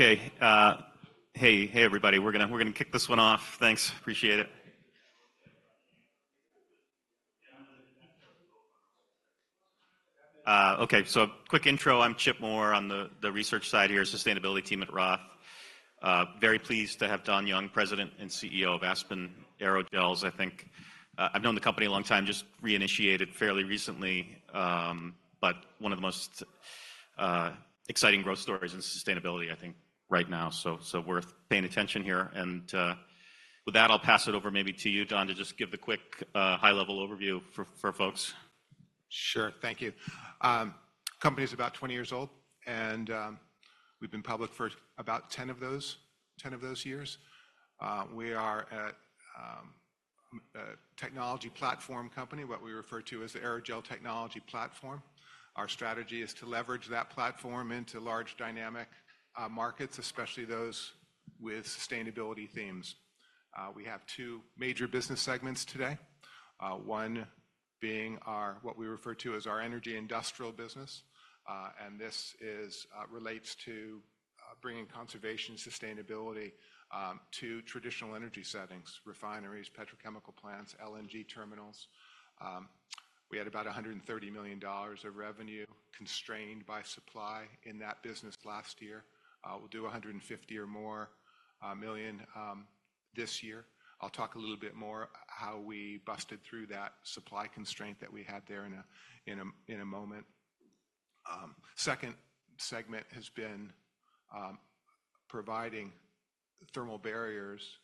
Okay, hey, hey everybody. We're gonna, we're gonna kick this one off. Thanks. Appreciate it. Okay, so a quick intro. I'm Chip Moore on the research side here, sustainability team at Roth. Very pleased to have Don Young, President and CEO of Aspen Aerogels, I think. I've known the company a long time, just reinitiated fairly recently, but one of the most exciting growth stories in sustainability, I think, right now. So, so worth paying attention here. And, with that, I'll pass it over maybe to you, Don, to just give the quick, high-level overview for folks. Sure. Thank you. The company's about 20 years old, and we've been public for about 10 of those years. We are a technology platform company, what we refer to as the Aerogel Technology Platform. Our strategy is to leverage that platform into large dynamic markets, especially those with sustainability themes. We have two major business segments today, one being what we refer to as our energy industrial business, and this relates to bringing conservation sustainability to traditional energy settings: refineries, petrochemical plants, LNG terminals. We had about $130 million of revenue constrained by supply in that business last year. We'll do $150 million or more this year. I'll talk a little bit more how we busted through that supply constraint that we had there in a moment. Second segment has been providing thermal barriers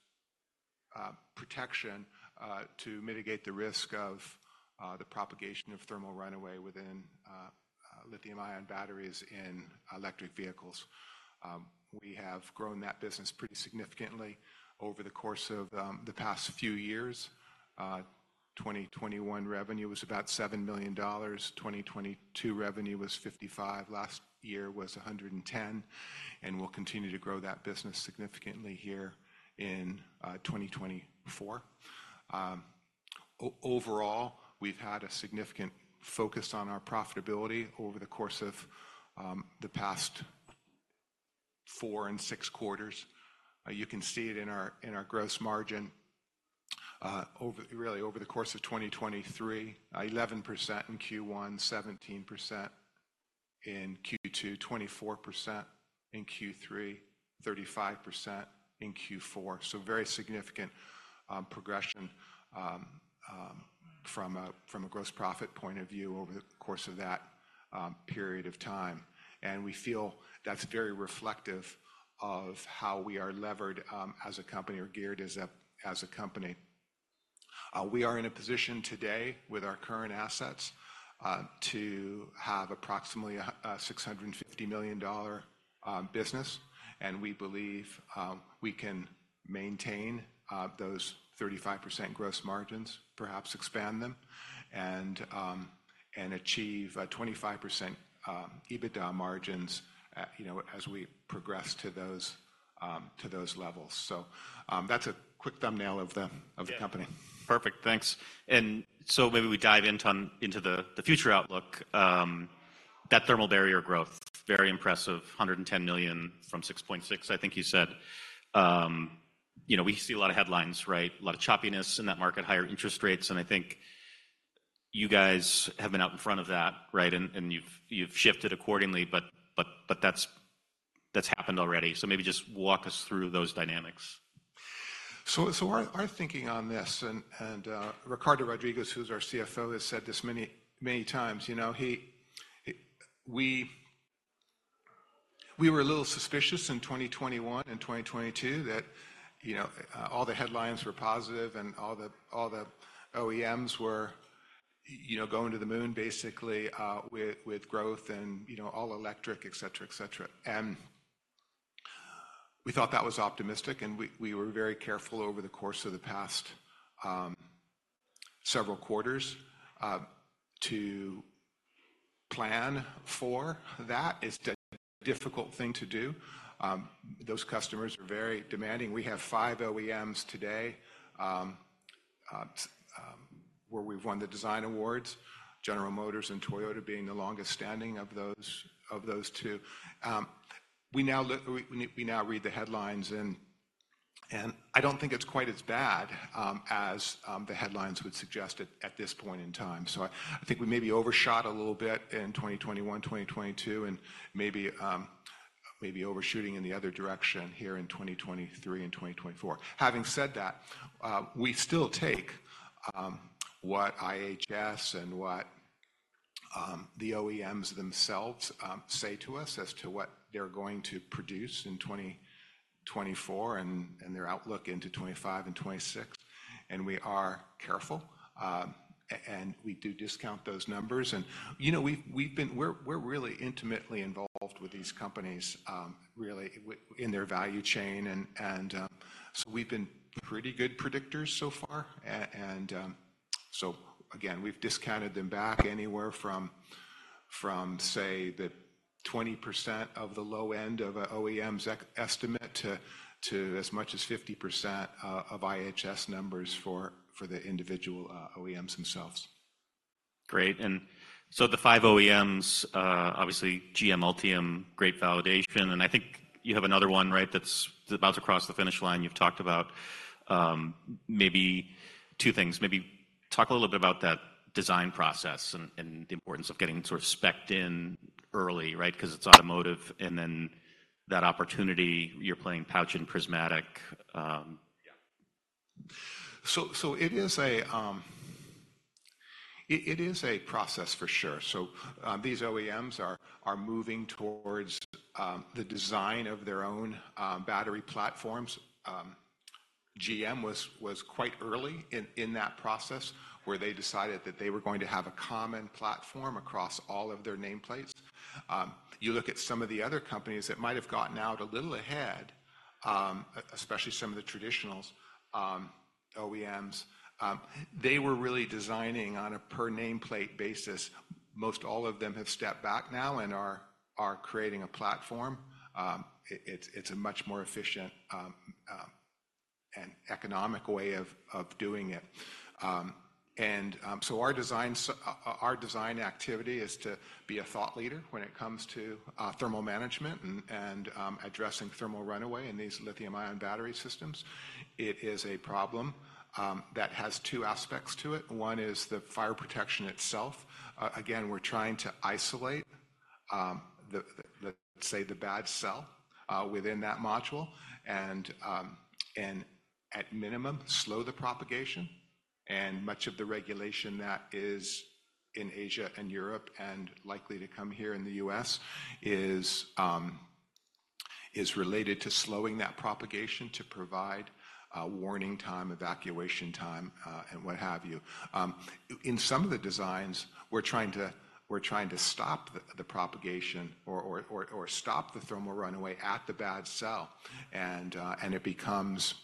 protection to mitigate the risk of the propagation of thermal runaway within lithium-ion batteries in electric vehicles. We have grown that business pretty significantly over the course of the past few years. 2021 revenue was about $7 million. 2022 revenue was $55 million. Last year was $110 million. We'll continue to grow that business significantly here in 2024. Overall, we've had a significant focus on our profitability over the course of the past four and six quarters. You can see it in our—in our gross margin over—really over the course of 2023, 11% in Q1, 17% in Q2, 24% in Q3, 35% in Q4. So very significant progression from a—from a gross profit point of view over the course of that period of time. We feel that's very reflective of how we are levered as a company or geared as a company. We are in a position today with our current assets to have approximately a $650 million business. We believe we can maintain those 35% gross margins, perhaps expand them, and achieve 25% EBITDA margins, you know, as we progress to those levels. That's a quick thumbnail of the company. Yeah. Perfect. Thanks. And so maybe we dive into the future outlook. That thermal barrier growth, very impressive, $110 million from $6.6 million, I think you said. You know, we see a lot of headlines, right? A lot of choppiness in that market, higher interest rates. And I think you guys have been out in front of that, right? And you've shifted accordingly, but that's happened already. So maybe just walk us through those dynamics. So our thinking on this and, Ricardo Rodriguez, who's our CFO, has said this many, many times, you know, we were a little suspicious in 2021 and 2022 that, you know, all the headlines were positive and all the OEMs were, you know, going to the moon, basically, with growth and, you know, all electric, etc., etc. And we thought that was optimistic. And we were very careful over the course of the past several quarters to plan for that. It's a difficult thing to do. Those customers are very demanding. We have five OEMs today, where we've won the design awards, General Motors and Toyota being the longest-standing of those two. We now read the headlines and, and I don't think it's quite as bad as the headlines would suggest at this point in time. So I think we maybe overshot a little bit in 2021, 2022, and maybe overshooting in the other direction here in 2023 and 2024. Having said that, we still take what IHS and what the OEMs themselves say to us as to what they're going to produce in 2024 and their outlook into 2025 and 2026. And we are careful, and we do discount those numbers. And, you know, we're really intimately involved with these companies, really, within their value chain. And so we've been pretty good predictors so far. So again, we've discounted them back anywhere from, say, the 20% of the low end of an OEM's estimate to as much as 50% of IHS numbers for the individual OEMs themselves. Great. And so the five OEMs, obviously GM, Ultium, great validation. And I think you have another one, right, that's about to cross the finish line. You've talked about, maybe two things. Maybe talk a little bit about that design process and the importance of getting sort of specced in early, right, because it's automotive. And then that opportunity, you're playing pouch and prismatic. Yeah. So it is a process for sure. So, these OEMs are moving towards the design of their own battery platforms. GM was quite early in that process where they decided that they were going to have a common platform across all of their nameplates. You look at some of the other companies that might have gotten out a little ahead, especially some of the traditionals, OEMs, they were really designing on a per-nameplate basis. Most all of them have stepped back now and are creating a platform. It’s a much more efficient and economic way of doing it. So our design activity is to be a thought leader when it comes to thermal management and addressing thermal runaway in these lithium-ion battery systems. It is a problem that has two aspects to it. One is the fire protection itself. Again, we're trying to isolate, let's say, the bad cell within that module and at minimum slow the propagation. Much of the regulation that is in Asia and Europe and likely to come here in the US is related to slowing that propagation to provide warning time, evacuation time, and what have you. In some of the designs, we're trying to stop the propagation or stop the thermal runaway at the bad cell. It becomes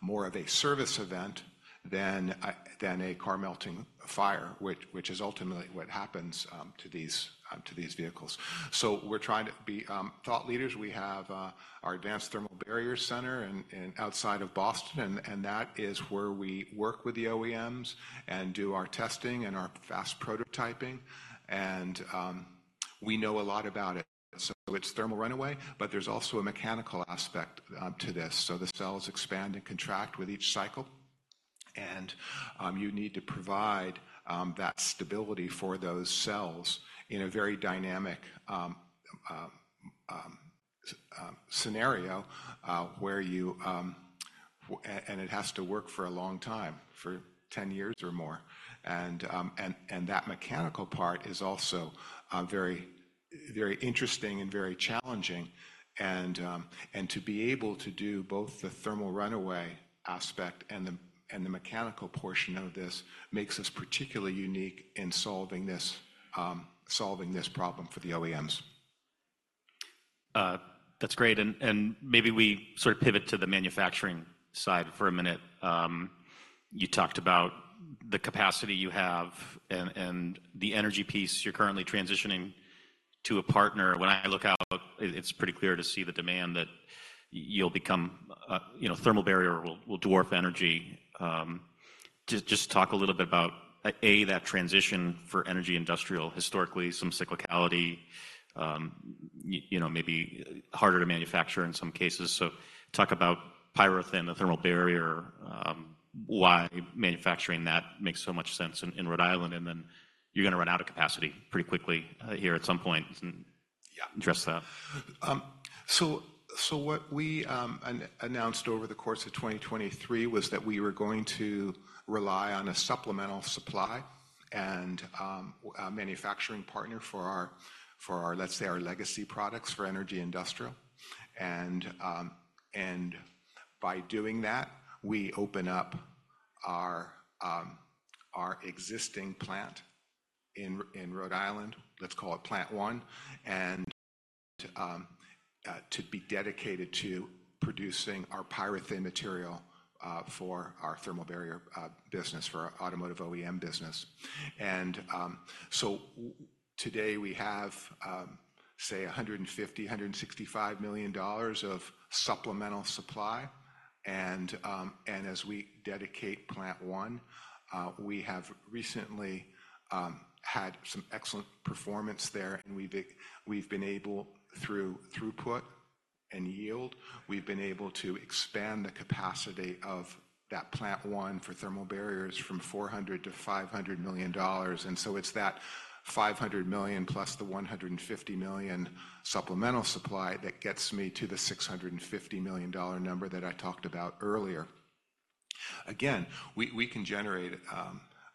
more of a service event than a car melting fire, which is ultimately what happens to these vehicles. So we're trying to be thought leaders. We have our Advanced Thermal Barriers Center outside of Boston. That is where we work with the OEMs and do our testing and our fast prototyping. We know a lot about it. So it's thermal runaway, but there's also a mechanical aspect to this. So the cells expand and contract with each cycle. You need to provide that stability for those cells in a very dynamic scenario, where it has to work for a long time, for 10 years or more. That mechanical part is also very, very interesting and very challenging. To be able to do both the thermal runaway aspect and the mechanical portion of this makes us particularly unique in solving this, solving this problem for the OEMs. That's great. And maybe we sort of pivot to the manufacturing side for a minute. You talked about the capacity you have and the energy piece. You're currently transitioning to a partner. When I look out, it's pretty clear to see the demand that you'll become, you know, thermal barrier will dwarf energy. Just talk a little bit about, A, that transition for energy industrial, historically, some cyclicality, you know, maybe harder to manufacture in some cases. So talk about PyroThin, the thermal barrier, why manufacturing that makes so much sense in Rhode Island. And then you're going to run out of capacity pretty quickly here at some point. And address that. Yeah. So what we announced over the course of 2023 was that we were going to rely on a supplemental supply and a manufacturing partner for our, for our, let's say, our legacy products for energy industrial. And by doing that, we open up our existing plant in Rhode Island, let's call it Plant One, and to be dedicated to producing our PyroThin material for our thermal barrier business for our automotive OEM business. And so today we have, say, $150million-$165 million of supplemental supply. And as we dedicate Plant One, we have recently had some excellent performance there. And we've been able through throughput and yield, we've been able to expand the capacity of that Plant One for thermal barriers from $400-$500 million. And so it's that $500 million plus the $150 million supplemental supply that gets me to the $650 million number that I talked about earlier. Again, we can generate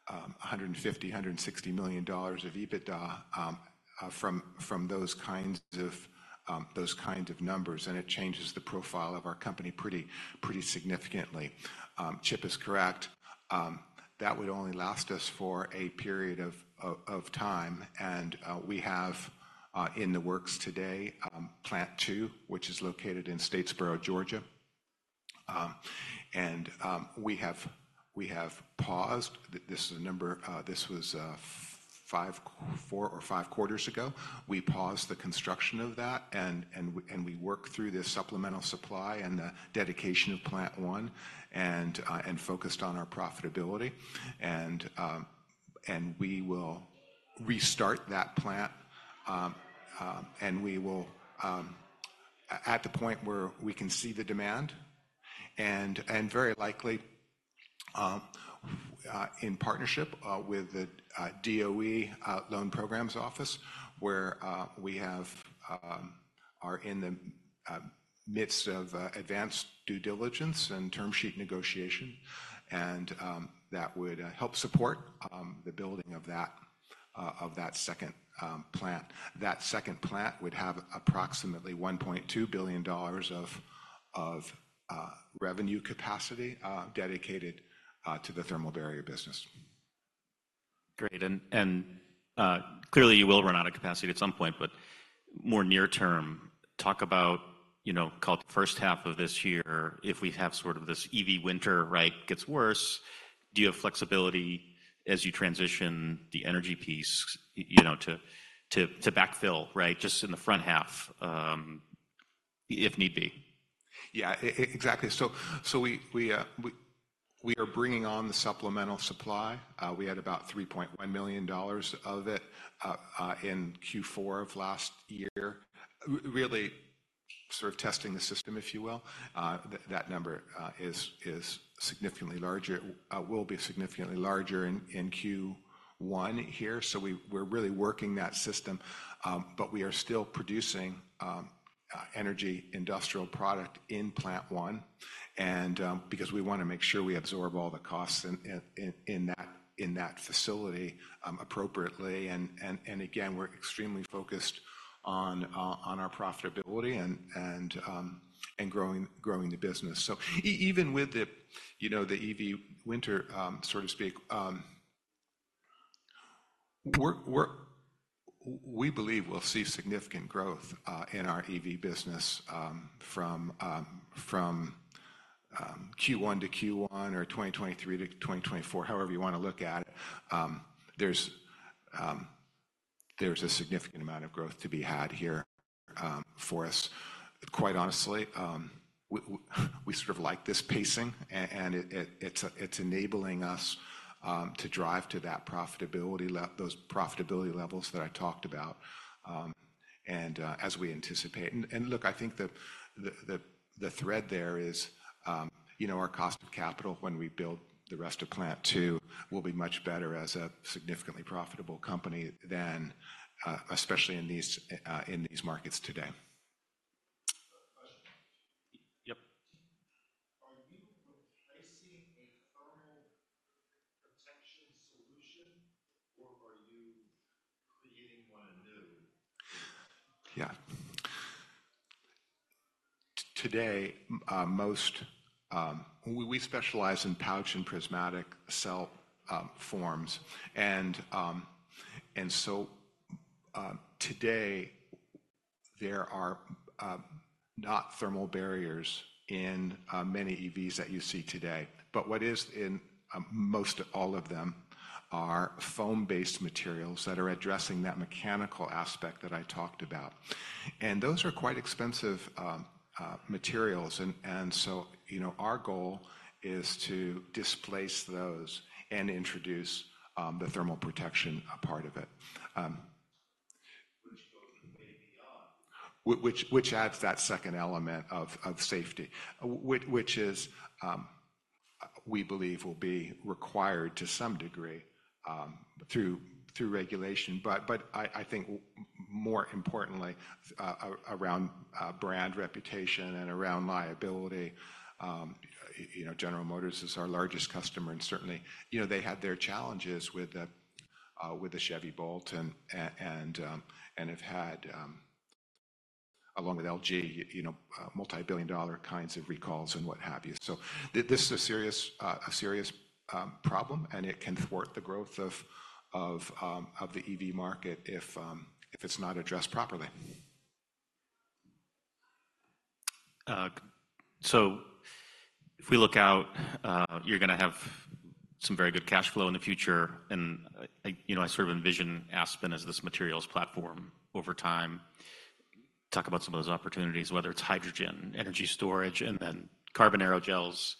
$150million-$160 million of EBITDA from those kinds of numbers. And it changes the profile of our company pretty significantly. Chip is correct. That would only last us for a period of time. And we have in the works today Plant Two, which is located in Statesboro, Georgia. And we have paused. This was four or five quarters ago. We paused the construction of that. And we worked through this supplemental supply and the dedication of Plant One and focused on our profitability. And we will restart that plant, and we will, at the point where we can see the demand and very likely, in partnership with the DOE Loan Programs Office, where we are in the midst of advanced due diligence and term sheet negotiation. And that would help support the building of that second plant. That second plant would have approximately $1.2 billion of revenue capacity, dedicated to the thermal barrier business. Great. And clearly you will run out of capacity at some point, but more near term, talk about, you know, first half of this year, if we have sort of this EV winter, right, gets worse, do you have flexibility as you transition the energy piece, you know, to backfill, right, just in the front half, if need be? Yeah, exactly. So we are bringing on the supplemental supply. We had about $3.1 million of it in Q4 of last year, really sort of testing the system, if you will. That number is significantly larger, will be significantly larger in Q1 here. So we're really working that system, but we are still producing energy industrial product in Plant One. And because we want to make sure we absorb all the costs in that facility appropriately. And again, we're extremely focused on our profitability and growing the business. So even with, you know, the EV winter, so to speak, we believe we'll see significant growth in our EV business from Q1 to Q1 or 2023 to 2024, however you want to look at it. There's a significant amount of growth to be had here for us. Quite honestly, we sort of like this pacing. And it is enabling us to drive to that profitability level, those profitability levels that I talked about, as we anticipate. And look, I think the thread there is, you know, our cost of capital when we build the rest of Plant Two will be much better as a significantly profitable company than, especially in these markets today. Question. Yep. Are you replacing a thermal protection solution or are you creating one anew? Yeah. Today, we specialize in pouch and prismatic cell forms. And so, today, there are not thermal barriers in many EVs that you see today. But what is in most of all of them are foam-based materials that are addressing that mechanical aspect that I talked about. And those are quite expensive materials. And so, you know, our goal is to displace those and introduce the thermal protection part of it. Which goes way beyond. Which adds that second element of safety, which is, we believe will be required to some degree, through regulation. But I think more importantly, around brand reputation and around liability. You know, General Motors is our largest customer and certainly, you know, they had their challenges with the Chevy Bolt and have had, along with LG, you know, multi-billion-dollar kinds of recalls and what have you. So this is a serious problem. And it can thwart the growth of the EV market if it's not addressed properly. If we look out, you're going to have some very good cash flow in the future. I, you know, I sort of envision Aspen as this materials platform over time. Talk about some of those opportunities, whether it's hydrogen, energy storage, and then carbon aerogels,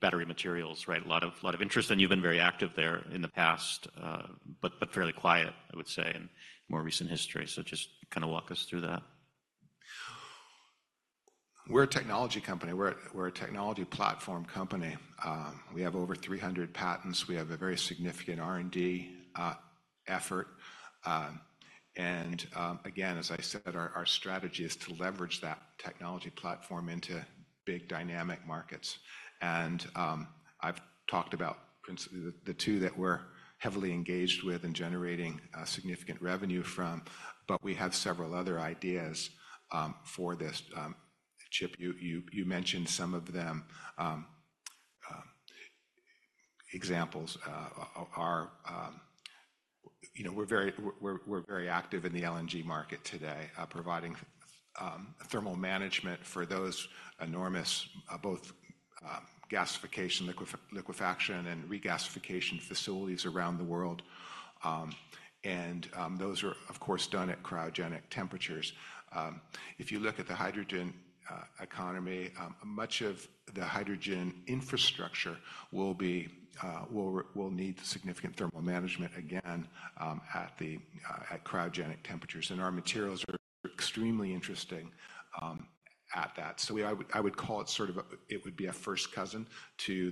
battery materials, right? A lot of, a lot of interest. You've been very active there in the past, but, but fairly quiet, I would say, in more recent history. Just kind of walk us through that. We're a technology company. We're a technology platform company. We have over 300 patents. We have a very significant R&D effort. And, again, as I said, our strategy is to leverage that technology platform into big dynamic markets. And, I've talked about principally the two that we're heavily engaged with and generating significant revenue from. But we have several other ideas for this. Chip, you mentioned some of them. Examples are, you know, we're very active in the LNG market today, providing thermal management for those enormous both gasification, liquefaction, and regasification facilities around the world. And, those are, of course, done at cryogenic temperatures. If you look at the hydrogen economy, much of the hydrogen infrastructure will need significant thermal management again at cryogenic temperatures. And our materials are extremely interesting at that. So I would call it sort of a first cousin to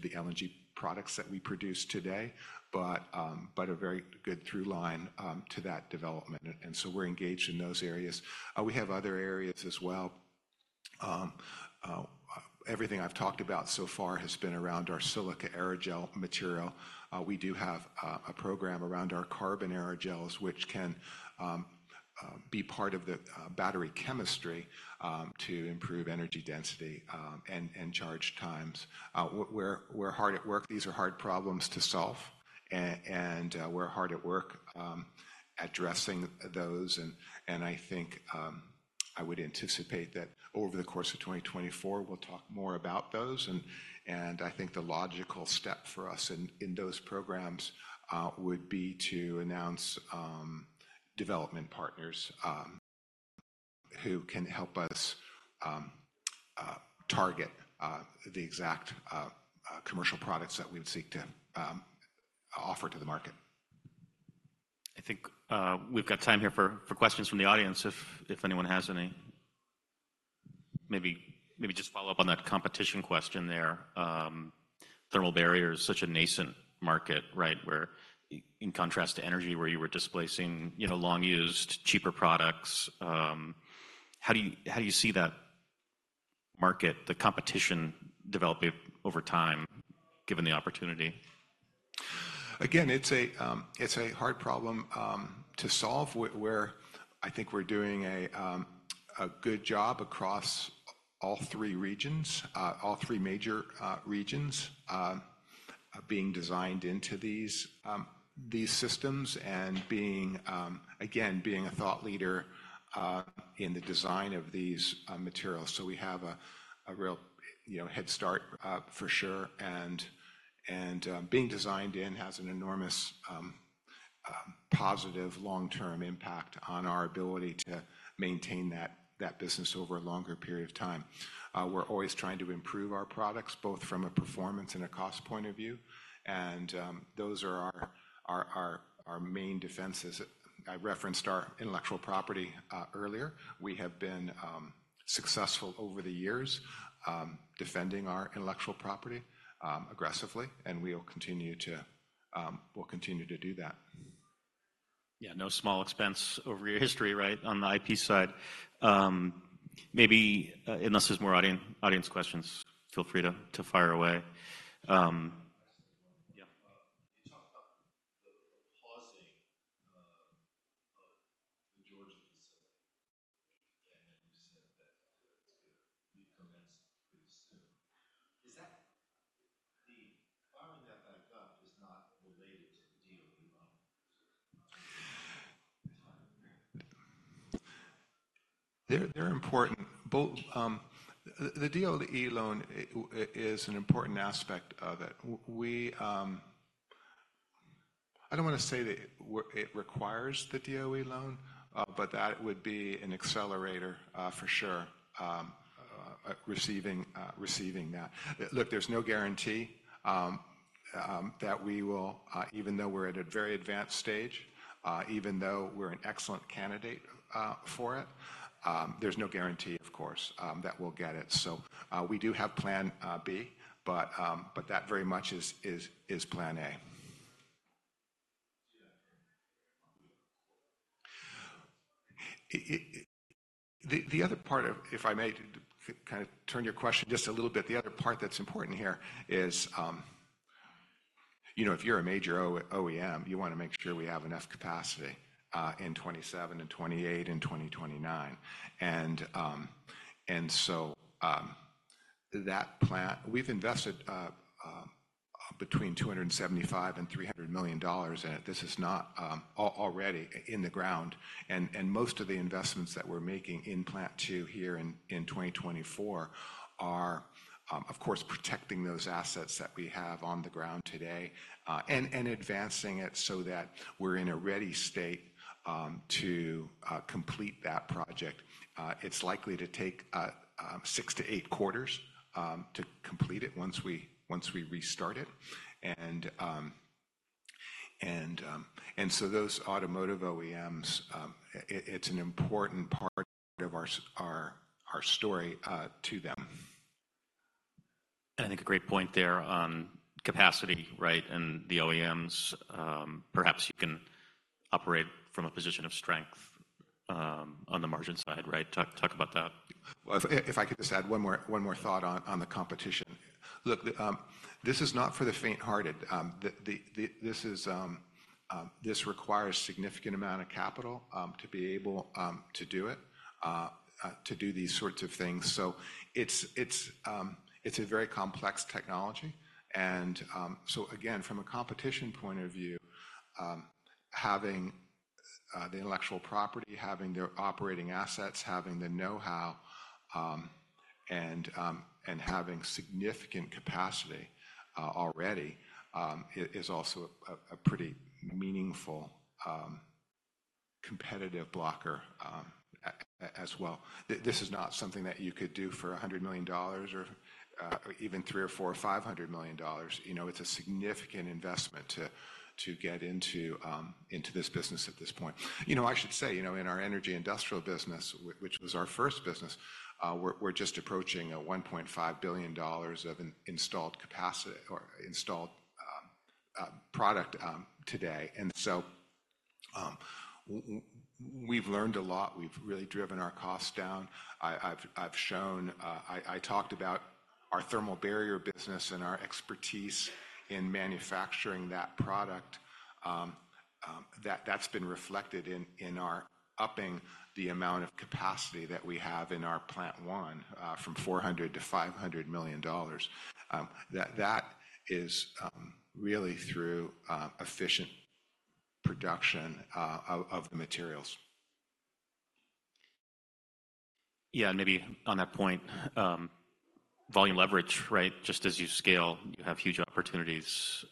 the LNG products that we produce today, but a very good through line to that development. And so we're engaged in those areas. We have other areas as well. Everything I've talked about so far has been around our silica aerogel material. We do have a program around our carbon aerogels, which can be part of the battery chemistry to improve energy density and charge times. We're hard at work. These are hard problems to solve. And we're hard at work addressing those. And I think I would anticipate that over the course of 2024, we'll talk more about those. And I think the logical step for us in those programs would be to announce development partners who can help us target the exact commercial products that we would seek to offer to the market. I think we've got time here for questions from the audience if anyone has any. Maybe just follow up on that competition question there. Thermal barrier is such a nascent market, right, where in contrast to energy where you were displacing, you know, long-used, cheaper products. How do you see that market, the competition developing over time, given the opportunity? Again, it's a hard problem to solve where I think we're doing a good job across all three major regions, being designed into these systems and being, again, a thought leader in the design of these materials. So we have a real, you know, head start, for sure. And being designed in has an enormous, positive long-term impact on our ability to maintain that business over a longer period of time. We're always trying to improve our products, both from a performance and a cost point of view. And those are our main defenses. I referenced our intellectual property earlier. We have been successful over the years defending our intellectual property aggressively. And we'll continue to do that. Yeah, no small expense over your history, right, on the IP side. Maybe, unless there's more audience, audience questions, feel free to, to fire away. Yeah. You talked about the pausing of the Georgia facility. Then you said that it's going to be commenced pretty soon. Is the firing back up not related to the DOE loan? They're important. Both, the DOE loan is an important aspect of it. We, I don't want to say that it requires the DOE loan, but that would be an accelerator, for sure, receiving that. Look, there's no guarantee that we will, even though we're at a very advanced stage, even though we're an excellent candidate for it, there's no guarantee, of course, that we'll get it. So, we do have Plan B, but that very much is Plan A. The other part of, if I may, kind of turn your question just a little bit, the other part that's important here is, you know, if you're a major OEM, you want to make sure we have enough capacity in 2027, 2028, and 2029. And so, that plant, we've invested between $275million-$300 million in it. This is not already in the ground. Most of the investments that we're making in Plant Two here in 2024 are, of course, protecting those assets that we have on the ground today, and advancing it so that we're in a ready state to complete that project. It's likely to take six to eight quarters to complete it once we restart it. And so those automotive OEMs, it's an important part of our story to them. I think a great point there on capacity, right, and the OEMs, perhaps you can operate from a position of strength, on the margin side, right? Talk, talk about that. Well, if I could just add one more thought on the competition. Look, this is not for the faint-hearted. This requires a significant amount of capital to be able to do it, to do these sorts of things. So it's a very complex technology. And so again, from a competition point of view, having the intellectual property, having their operating assets, having the know-how, and having significant capacity already is also a pretty meaningful competitive blocker, as well. This is not something that you could do for $100 million or even $300 million or $400 million. You know, it's a significant investment to get into this business at this point. You know, I should say, you know, in our energy industrial business, which was our first business, we're just approaching $1.5 billion of installed capacity or installed product today. And so, we've learned a lot. We've really driven our costs down. I've shown, I talked about our thermal barrier business and our expertise in manufacturing that product. That's been reflected in our upping the amount of capacity that we have in our Plant One, from $400 million-$500 million. That is really through efficient production of the materials. Yeah, and maybe on that point, volume leverage, right? Just as you scale, you have huge opportunities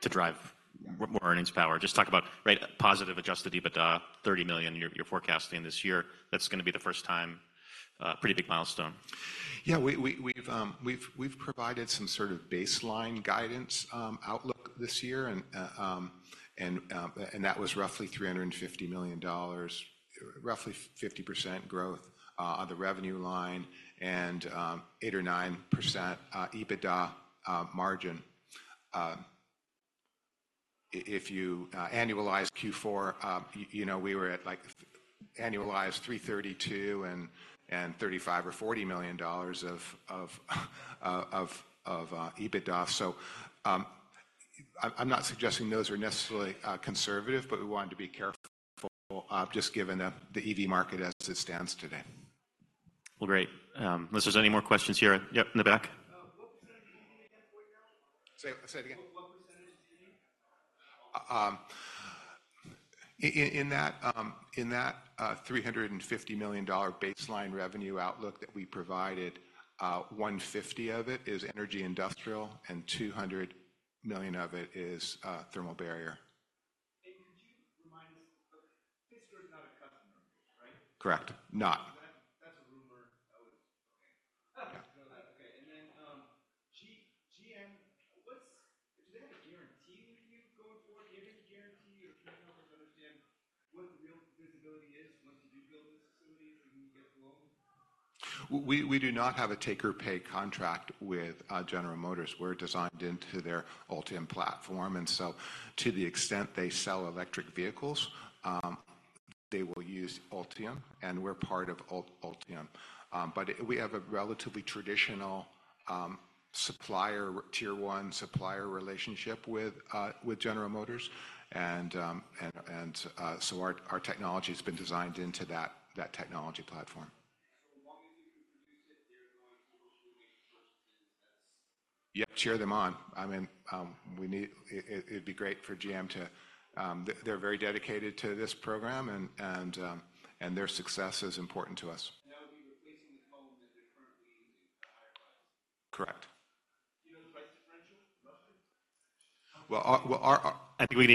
to drive more earnings power. Just talk about, right, positive adjusted EBITDA $30 million you're, you're forecasting this year. That's going to be the first time, pretty big milestone. Yeah, we've provided some sort of baseline guidance, outlook this year. And that was roughly $350 million, roughly 50% growth, on the revenue line and 8%-9% EBITDA margin. If you annualize Q4, you know, we were at like annualized $332 million and $35million-$40 million of EBITDA. So, I'm not suggesting those are necessarily conservative, but we wanted to be careful, just given the EV market as it stands today. Well, great. Unless there's any more questions here. Yep, in the back. What percentage is the EV net right now? Say it again. What percentage is the EV? In that $350 million baseline revenue outlook that we provided, $150 million of it is energy industrial and $200 million of it is thermal barrier. Could you remind us, Fisker is not a customer of yours, right? Correct. Not. That's a rumor. Oh, it is. Okay. Okay. And then, GM, what do they have a guarantee with you going forward? Do you have any guarantee or can you help us understand what the real visibility is once you do build this facility and when you get the loan? We do not have a take-or-pay contract with General Motors. We're designed into their Ultium platform. And so to the extent they sell electric vehicles, they will use Ultium. And we're part of Ultium. But we have a relatively traditional supplier, tier one supplier relationship with General Motors. So our technology has been designed into that technology platform. As long as you can produce it, they're going to hopefully make purchases as. Yep, cheer them on. I mean, we need it'd be great for GM to, they're very dedicated to this program and their success is important to us. That would be replacing the cone that they're currently using at a higher price. Correct. Do you know the price differential, roughly? Well, we'll, we'll. I think we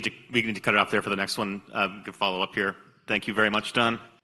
need to cut it off there for the next one. Good follow-up here. Thank you very much, Don.